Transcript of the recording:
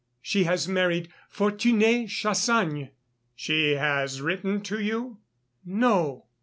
She has married Fortuné Chassagne." "She has written to you?" "No."